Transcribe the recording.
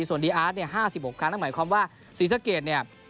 ส่วนดีอาร์ตเนี่ย๕๖ครั้งนั่นหมายความว่าศรีสะเกดเนี่ย